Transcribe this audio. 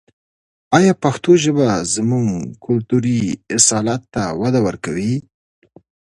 آیا پښتو ژبه زموږ کلتوري اصالت ته وده ورکوي؟